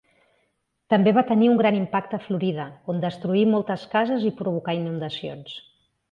També va tenir un gran impacte a Florida on destruí moltes cases i provocà inundacions.